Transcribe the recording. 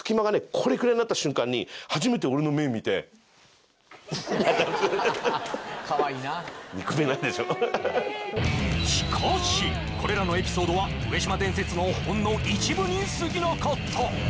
これくらいになった瞬間にしかしこれらのエピソードは上島伝説のほんの一部にすぎなかった